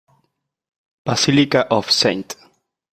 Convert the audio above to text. Basilica of St.